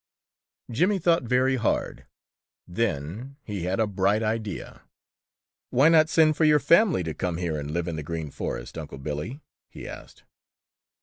Jimmy thought very hard. Then he had a bright idea. "Why not send for your family to come here and live in the Green Forest, Uncle Billy?" he asked.